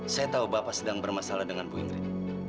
saya tahu bapak sedang bermasalah dengan bu indri